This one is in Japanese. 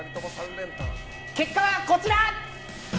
結果は、こちら！